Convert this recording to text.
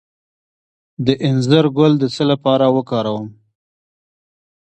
د انځر ګل د څه لپاره وکاروم؟